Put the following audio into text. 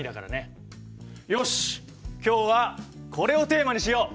よし今日はこれをテーマにしよう。